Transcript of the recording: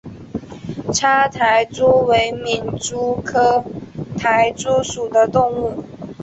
叉苔蛛为皿蛛科苔蛛属的动物。